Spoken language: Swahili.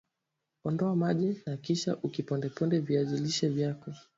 Ondoa maji na kisha ukipondeponde viazi lishe vyako